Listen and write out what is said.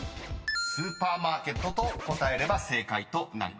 ［「スーパーマーケット」と答えれば正解となります］